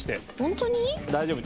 大丈夫。